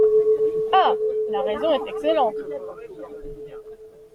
Ah ! la raison est excellente.